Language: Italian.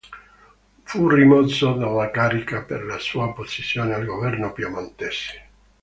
Fu rimosso dalla carica per la sua opposizione al governo piemontese.